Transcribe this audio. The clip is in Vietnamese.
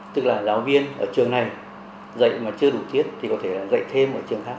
tức là giáo viên ở trường này dạy mà chưa đủ thiết thì có thể dạy thêm